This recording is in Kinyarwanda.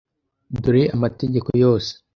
Dore amategeko yose.